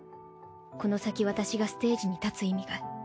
この先私がステージに立つ意味が。